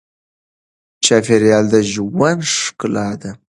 چاپېریال د ژوند ښکلا ده.